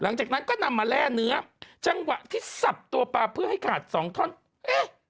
หลังจากนั้นก็นำมาแร่เนื้อจังหวะที่สับตัวปลาเพื่อให้ขาดสองท่อนเอ๊ะ